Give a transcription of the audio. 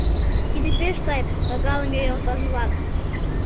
Тиде пеш сай, пагалыме йолташ-влак.